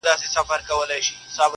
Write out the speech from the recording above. چوروندوک چي هم چالاکه هم هوښیار دی-